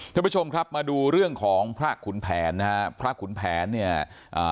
ท่านผู้ชมครับมาดูเรื่องของพระขุนแผนนะฮะพระขุนแผนเนี่ยอ่า